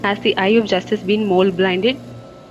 Has the eye of Justice been mole-blinded?